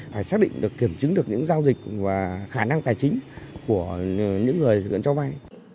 phải xác định được kiểm chứng được những giao dịch và khả năng tài chính của những người thực hiện cho vay